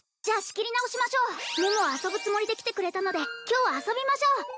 じゃあ仕切り直しましょう桃は遊ぶつもりで来てくれたので今日は遊びましょう！